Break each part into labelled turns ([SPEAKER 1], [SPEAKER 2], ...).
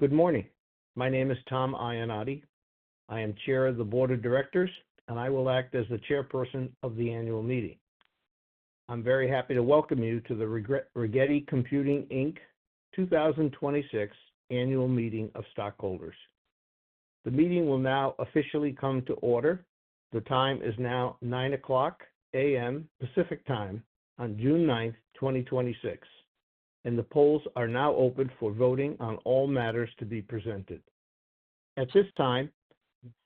[SPEAKER 1] Good morning. My name is Tom Iannotti. I am chair of the board of directors, and I will act as the chairperson of the annual meeting. I'm very happy to welcome you to the Rigetti Computing, Inc. 2026 Annual Meeting of Stockholders. The meeting will now officially come to order. The time is now 9:00 A.M. Pacific Time on June 9th, 2026, and the polls are now open for voting on all matters to be presented. At this time,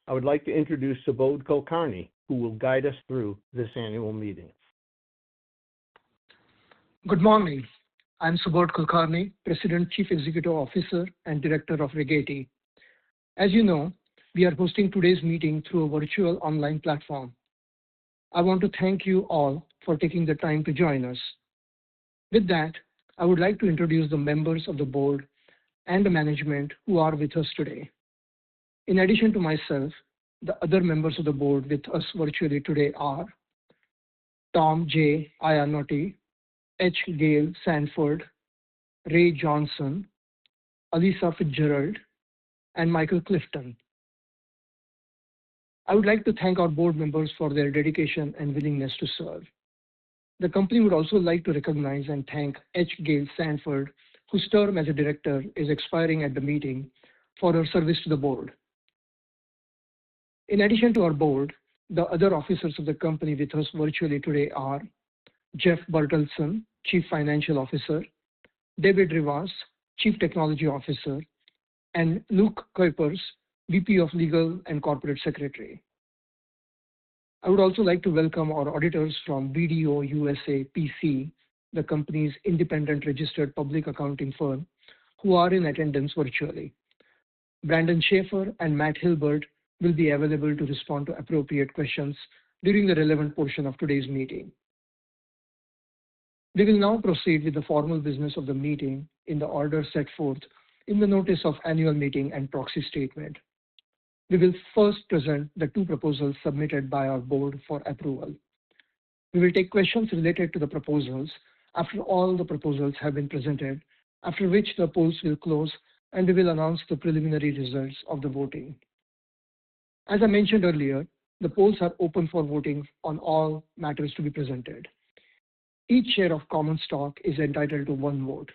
[SPEAKER 1] I would like to introduce Subodh Kulkarni, who will guide us through this annual meeting.
[SPEAKER 2] Good morning. I'm Subodh Kulkarni, President, Chief Executive Officer, and Director of Rigetti. As you know, we are hosting today's meeting through a virtual online platform. I want to thank you all for taking the time to join us. With that, I would like to introduce the members of the board and the management who are with us today. In addition to myself, the other members of the board with us virtually today are Tom J. Iannotti, H. Gail Sandford, Ray O. Johnson, Alissa Fitzgerald, and Michael Clifton. I would like to thank our board members for their dedication and willingness to serve. The company would also like to recognize and thank H. Gail Sandford, whose term as a director is expiring at the meeting, for her service to the board. In addition to our board, the other officers of the company with us virtually today are Jeff Bertelsen, Chief Financial Officer, David Rivas, Chief Technology Officer, and Luke Kuipers, VP of Legal and Corporate Secretary. I would also like to welcome our auditors from BDO USA, P.C., the company's independent registered public accounting firm, who are in attendance virtually. Brandon Schaefer and Matt Hilbert will be available to respond to appropriate questions during the relevant portion of today's meeting. We will now proceed with the formal business of the meeting in the order set forth in the notice of annual meeting and proxy statement. We will first present the two proposals submitted by our board for approval. We will take questions related to the proposals after all the proposals have been presented, after which the polls will close, and we will announce the preliminary results of the voting. As I mentioned earlier, the polls are open for voting on all matters to be presented. Each share of common stock is entitled to one vote.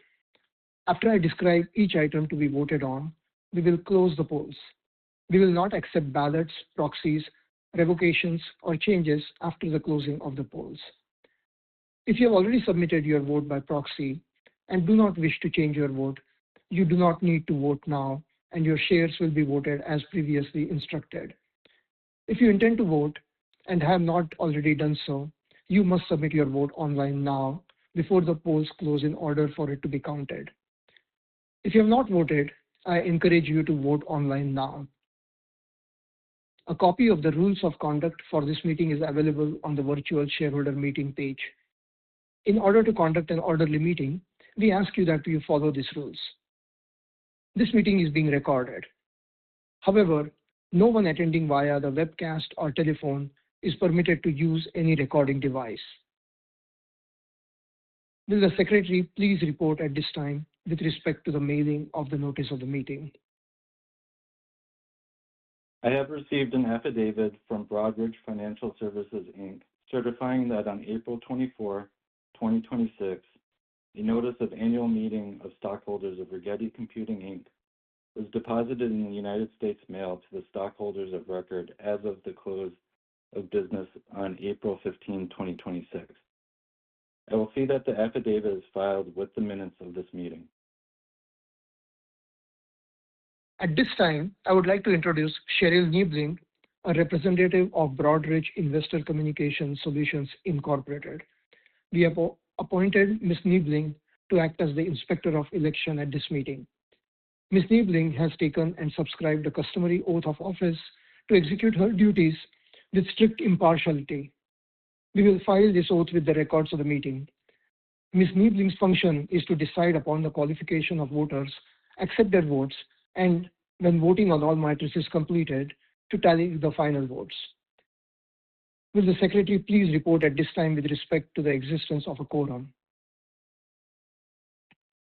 [SPEAKER 2] After I describe each item to be voted on, we will close the polls. We will not accept ballots, proxies, revocations, or changes after the closing of the polls. If you have already submitted your vote by proxy and do not wish to change your vote, you do not need to vote now, and your shares will be voted as previously instructed. If you intend to vote and have not already done so, you must submit your vote online now before the polls close in order for it to be counted. If you have not voted, I encourage you to vote online now. A copy of the rules of conduct for this meeting is available on the virtual shareholder meeting page. In order to conduct an orderly meeting, we ask you that you follow these rules. This meeting is being recorded. However, no one attending via the webcast or telephone is permitted to use any recording device. Will the secretary please report at this time with respect to the mailing of the notice of the meeting?
[SPEAKER 3] I have received an affidavit from Broadridge Financial Solutions, Inc., certifying that on April 24, 2026, the Notice of Annual Meeting of Stockholders of Rigetti Computing, Inc. was deposited in the United States Mail to the stockholders of record as of the close of business on April 15, 2026. I will see that the affidavit is filed with the minutes of this meeting.
[SPEAKER 2] At this time, I would like to introduce Cheryl Niebeling, a representative of Broadridge Investor Communication Solutions, Inc. We have appointed Ms. Niebeling to act as the Inspector of Election at this meeting. Ms. Niebeling has taken and subscribed a customary oath of office to execute her duties with strict impartiality. We will file this oath with the records of the meeting. Ms. Niebeling's function is to decide upon the qualification of voters, accept their votes, and when voting on all matters is completed, to tally the final votes. Will the secretary please report at this time with respect to the existence of a quorum?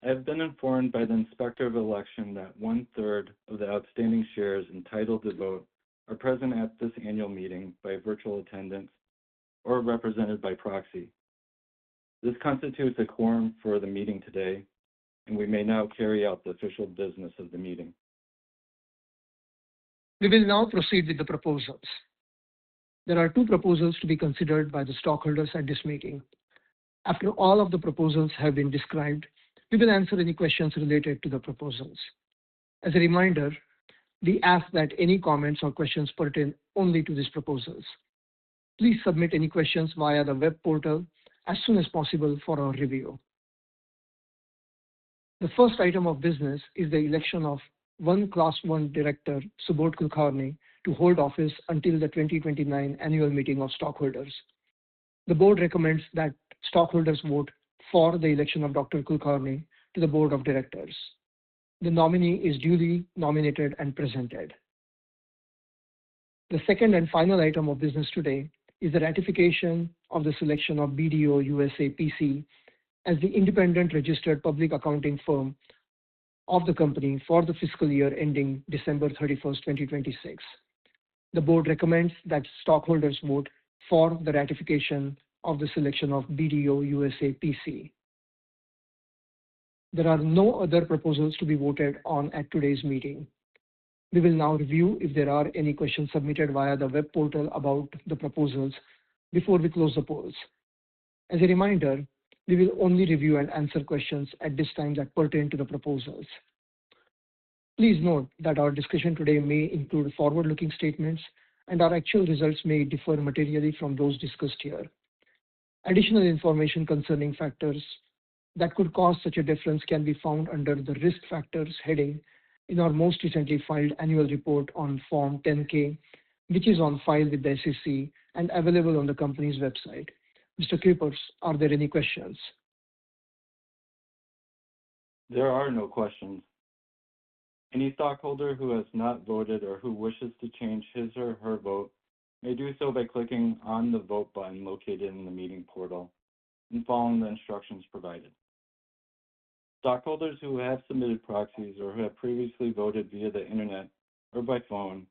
[SPEAKER 3] I have been informed by the Inspector of Election that one-third of the outstanding shares entitled to vote are present at this annual meeting by virtual attendance or represented by proxy. This constitutes a quorum for the meeting today. We may now carry out the official business of the meeting.
[SPEAKER 2] We will now proceed with the proposals. There are two proposals to be considered by the stockholders at this meeting. After all of the proposals have been described, we will answer any questions related to the proposals. As a reminder, we ask that any comments or questions pertain only to these proposals. Please submit any questions via the web portal as soon as possible for our review. The first item of business is the election of one Class I Director, Subodh Kulkarni, to hold office until the 2029 Annual Meeting of Stockholders. The board recommends that stockholders vote for the election of Dr. Kulkarni to the board of directors. The nominee is duly nominated and presented. The second and final item of business today is the ratification of the selection of BDO USA, P.C. as the independent registered public accounting firm of the company for the fiscal year ending December 31st, 2026. The board recommends that stockholders vote for the ratification of the selection of BDO USA, P.C.. There are no other proposals to be voted on at today's meeting. We will now review if there are any questions submitted via the web portal about the proposals before we close the polls. As a reminder, we will only review and answer questions at this time that pertain to the proposals. Please note that our discussion today may include forward-looking statements, and our actual results may differ materially from those discussed here. Additional information concerning factors that could cause such a difference can be found under the Risk Factors heading in our most recently filed annual report on Form 10-K, which is on file with the SEC and available on the company's website. Mr. Kuipers, are there any questions?
[SPEAKER 3] There are no questions. Any stockholder who has not voted or who wishes to change his or her vote may do so by clicking on the Vote button located in the meeting portal and following the instructions provided. Stockholders who have submitted proxies or who have previously voted via the internet or by phone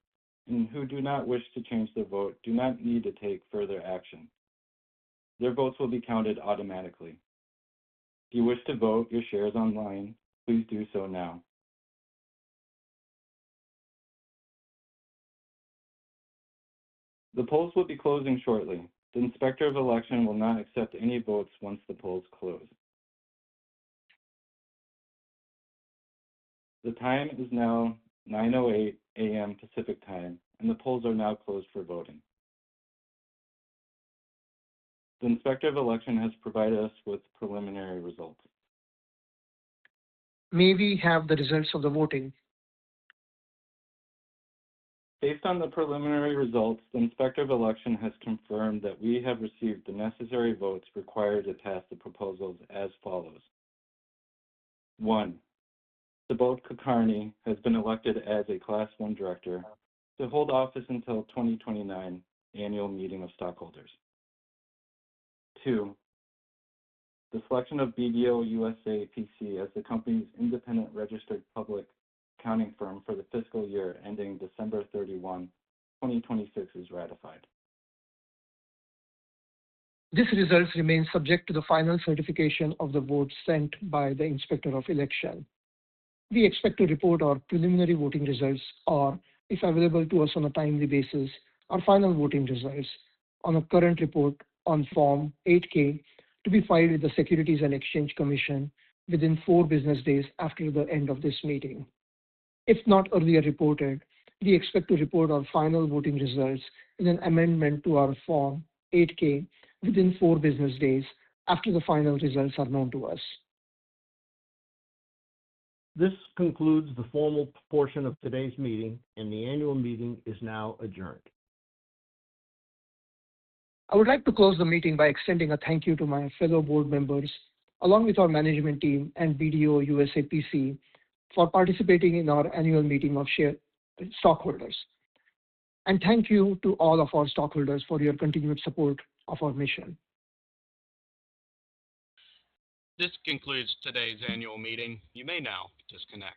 [SPEAKER 3] and who do not wish to change their vote do not need to take further action. Their votes will be counted automatically. If you wish to vote your shares online, please do so now. The polls will be closing shortly. The Inspector of Election will not accept any votes once the polls close. The time is now 9:08 A.M. Pacific Time, and the polls are now closed for voting. The Inspector of Election has provided us with preliminary results.
[SPEAKER 2] May we have the results of the voting?
[SPEAKER 3] Based on the preliminary results, the Inspector of Election has confirmed that we have received the necessary votes required to pass the proposals as follows. One, Subodh Kulkarni has been elected as a Class I director to hold office until 2029 Annual Meeting of Stockholders. Two, the selection of BDO USA, P.C. as the company's independent registered public accounting firm for the fiscal year ending December 31, 2026, is ratified.
[SPEAKER 2] These results remain subject to the final certification of the votes sent by the Inspector of Election. We expect to report our preliminary voting results, or, if available to us on a timely basis, our final voting results on a current report on Form 8-K to be filed with the Securities and Exchange Commission within four business days after the end of this meeting. If not earlier reported, we expect to report our final voting results in an amendment to our Form 8-K within four business days after the final results are known to us.
[SPEAKER 4] This concludes the formal portion of today's meeting, and the annual meeting is now adjourned.
[SPEAKER 2] I would like to close the meeting by extending a thank you to my fellow board members, along with our management team and BDO USA, P.C., for participating in our annual meeting of stockholders. Thank you to all of our stockholders for your continued support of our mission.
[SPEAKER 4] This concludes today's annual meeting. You may now disconnect.